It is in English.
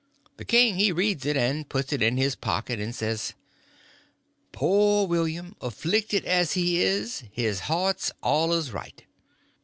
The king he reads it and puts it in his pocket, and says: "Poor William, afflicted as he is, his heart's aluz right.